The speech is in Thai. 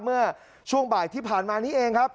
เมื่อช่วงบ่ายที่ผ่านมานี้เองครับ